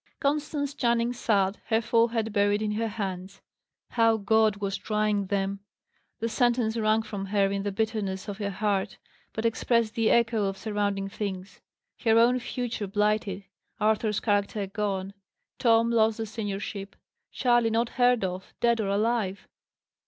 Constance Channing sat, her forehead buried in her hands. How God was trying them! The sentence, wrung from her in the bitterness of her heart, but expressed the echo of surrounding things. Her own future blighted; Arthur's character gone; Tom lost the seniorship; Charley not heard of, dead or alive!